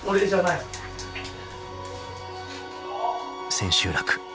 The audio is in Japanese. ［千秋楽］